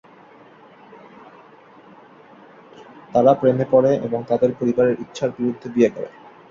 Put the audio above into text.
তারা প্রেমে পড়ে এবং তাদের পরিবারের ইচ্ছার বিরুদ্ধে বিয়ে করে।